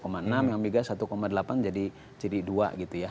yang mega satu delapan jadi dua gitu ya